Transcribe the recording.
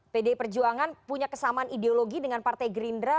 pdi perjuangan punya kesamaan ideologi dengan partai gerindra